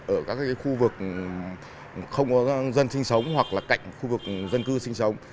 ở các khu vực không có dân sinh sống hoặc là cạnh khu vực dân cư sinh sống